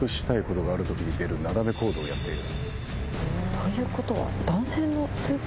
ということは。